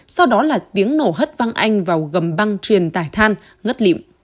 sau đó là tiếng nổ hất văng anh vào gầm băng truyền tải than ngất lịm